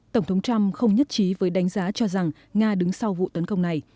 tổng thống trump không nhất trí với đánh giá cho rằng nga đứng sau vụ tấn công này